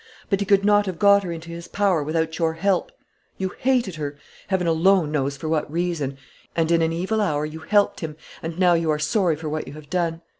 But he could not have got her into his power without your help. You hated her, Heaven alone knows for what reason, and in an evil hour you helped him, and now you are sorry for what you have done.